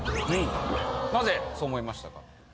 なぜそう思いましたか。